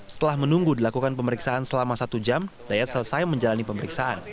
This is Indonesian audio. setelah menunggu dilakukan pemeriksaan selama satu jam dayat selesai menjalani pemeriksaan